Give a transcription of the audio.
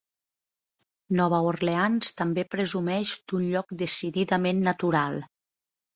Nova Orleans també presumeix d'un lloc decididament natural.